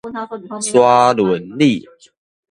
沙崙里